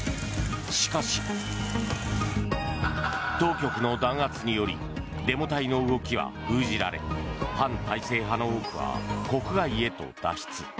しかし、当局の弾圧によりデモ隊の動きは封じられ反体制派の多くは国外へと脱出。